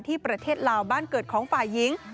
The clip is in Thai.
ประเทศลาวบ้านเกิดของฝ่ายหญิง